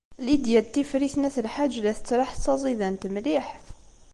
Lidya n Tifrit n At Lḥaǧ la tettraḥ d taẓidant mliḥ.